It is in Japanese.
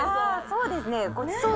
そうですね。